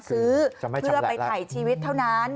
ซื้อเพื่อไปถ่ายชีวิตเท่านั้น